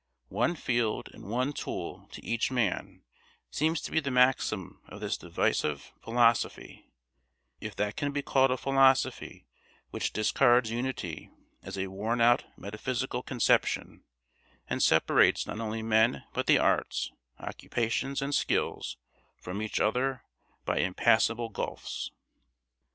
One field and one tool to each man seems to be the maxim of this divisive philosophy if that can be called a philosophy which discards unity as a worn out metaphysical conception, and separates not only men but the arts, occupations, and skills from each other by impassable gulfs.